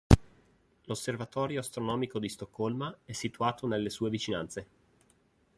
L'osservatorio astronomico di Stoccolma è situato nelle sue vicinanze.